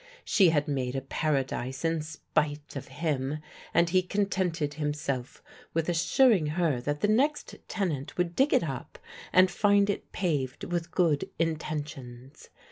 She had made a paradise in spite of him, and he contented himself with assuring her that the next tenant would dig it up and find it paved with good intentions.